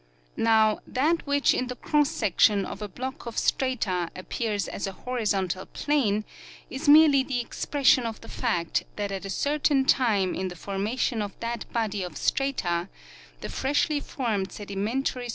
Now that which in the cross section of a block of strata appears as a horizontal plane is merely the expression of the fact that at a certain time in the formation of that body of strata the freshly formed sedimentary Deposition in the Deserts.